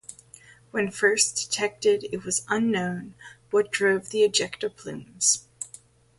When first detected it was unknown what drove the ejecta plumes.